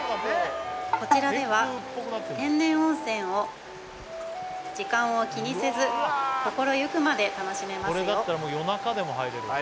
こちらでは天然温泉を時間を気にせず心ゆくまで楽しめますよ